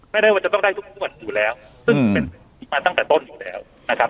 ไม่ได้ว่าจะต้องได้ทุกงวดอยู่แล้วซึ่งเป็นอีกมาตั้งแต่ต้นอยู่แล้วนะครับ